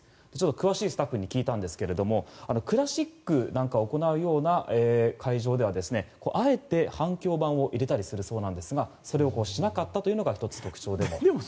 詳しいスタッフに聞いたんですけれどもクラシックなんかを行うような会場ではあえて反響板を入れたりするそうなんですがそれをしなかったというのが１つ特徴でもあるそうです。